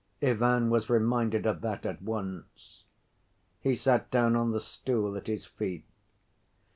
Ivan was reminded of that at once. He sat down on the stool at his feet.